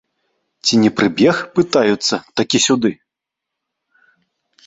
Ці не прыбег, пытаюцца, такі сюды?